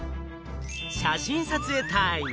写真撮影タイム！